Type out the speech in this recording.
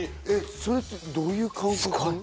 それってどういう感覚？